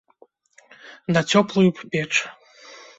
На цёплую б печ.